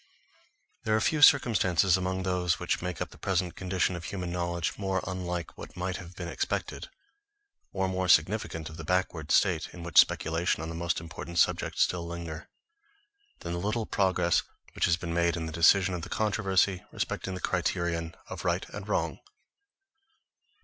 THERE ARE few circumstances among those which make up the present condition of human knowledge, more unlike what might have been expected, or more significant of the backward state in which speculation on the most important subjects still lingers, than the little progress which has been made in the decision of the controversy respecting the criterion of right and wrong.